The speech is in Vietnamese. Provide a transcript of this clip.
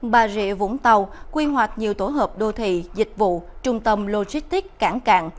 bà rịa vũng tàu quy hoạch nhiều tổ hợp đô thị dịch vụ trung tâm logistic cảng càng